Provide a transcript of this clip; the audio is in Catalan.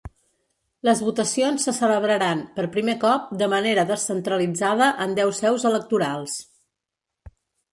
Les votacions se celebraran, per primer cop, de manera descentralitzada en deu seus electorals.